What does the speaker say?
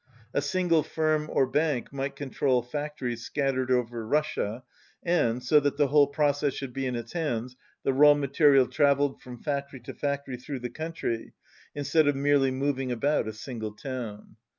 A single firm or bank might control factories scat tered over Russia and, so that the whole process should be in its hands, the raw material travelled from factory to factory through the country, in stead of merely moving about a single town.